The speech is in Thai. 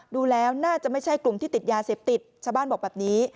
ดูแล้วน่าจะไม่ใช่กลุ่มที่ติดยาเสพติดชาวบ้านบอกแบบนี้